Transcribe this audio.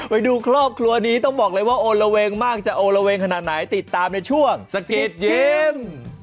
ไปดูครอบครัวนี้ต้องบอกเลยว่าโอละเวงมากจะโอละเวงขนาดไหนติดตามในช่วงสกิดยิ้ม